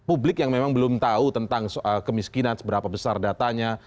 publik yang memang belum tahu tentang kemiskinan seberapa besar datanya